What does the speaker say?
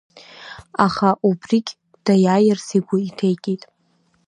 Аха убригь даиааирц игәы иҭеикит.